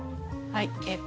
はい。